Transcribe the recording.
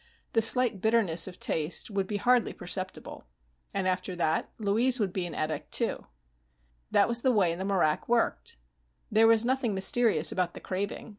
The slight bitterness of taste would be hardly perceptible. And after that Louise would be an addict too. That was the way the marak worked. There was nothing mysterious about the craving.